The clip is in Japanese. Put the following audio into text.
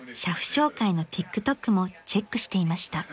紹介のＴｉｋＴｏｋもチェックしていました］